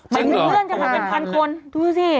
จริงเหรอมันเป็นพันคนดูสิ